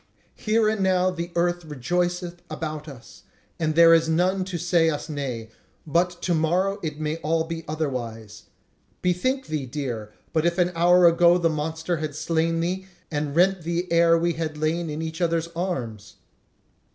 Here and now the earth rejoiceth about us, and there is none to say us nay; but to morrow it may all be otherwise. Bethink thee, dear, if but an hour ago the monster had slain thee, and rent thee ere we had lain in each other's arms!"